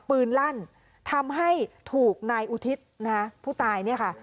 ลั่นทำให้ถูกนายอุทิศนะฮะผู้ตายเนี่ยค่ะ